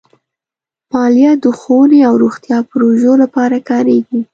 مالیه د ښوونې او روغتیا پروژو لپاره کارېږي.